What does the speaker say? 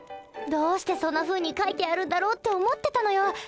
どうしてそんなふうに書いてあるんだろうって思ってたのよ。